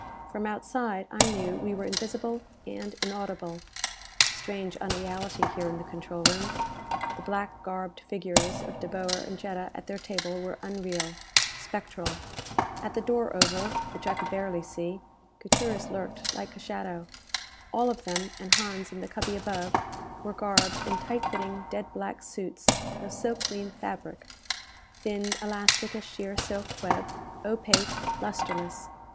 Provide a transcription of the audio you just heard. From outside, I knew, we were invisible and inaudible. Strange unreality, here in the control room! The black garbed figures of De Boer and Jetta at their table were unreal, spectral. At the door oval, which I could barely see, Gutierrez lurked like a shadow. All of them, and Hans in the cubby above, were garbed in tight fitting dead black suits of silklene fabric. Thin, elastic as sheer silk web, opaque, lustreless.